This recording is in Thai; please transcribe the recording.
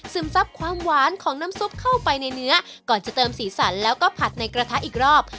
ซับความหวานของน้ำซุปเข้าไปในเนื้อก่อนจะเติมสีสันแล้วก็ผัดในกระทะอีกรอบ